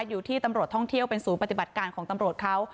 อยู่ที่ตำรวจท่องเที่ยวเป็นศูนย์ปฏิบัติการของตำรวจเขา